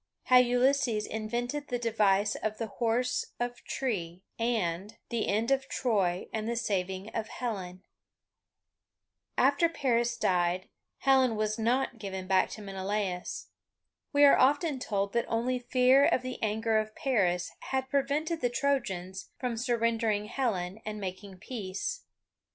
HOW ULYSSES INVENTED THE DEVICE OF THE HORSE OF TREE After Paris died, Helen was not given back to Menelaus. We are often told that only fear of the anger of Paris had prevented the Trojans from surrendering Helen and making peace.